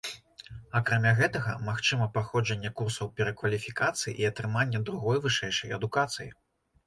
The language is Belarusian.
Акрамя гэтага, магчыма праходжанне курсаў перакваліфікацыі і атрымання другой вышэйшай адукацыі.